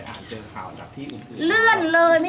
เราเสพสื่อพี่ตกใจ